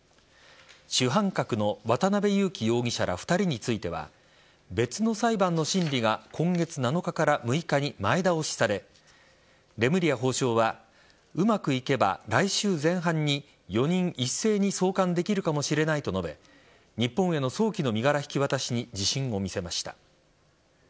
主犯格の渡辺優樹容疑者ら２人については別の裁判の審理が今月７日から６日に前倒しされレムリヤ法相はうまくいけば来週前半に４人一斉に送還できるかもしれないと述べ日本への早期の身柄引き渡しに自信を見せました。